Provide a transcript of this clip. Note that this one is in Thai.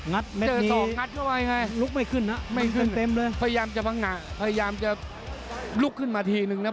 เจอศอกงัดเข้าไปไงลุกไม่ขึ้นนะไม่ขึ้นเต็มเลยพยายามจะพังงะพยายามจะลุกขึ้นมาทีนึงนะ